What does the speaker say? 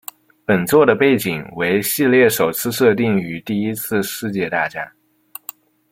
本作的背景为系列首次设定于第一次世界大战。